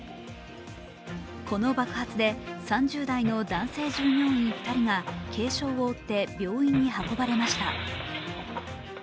この爆発で３０代の男性従業員２人が軽傷を負って病院に運ばれました。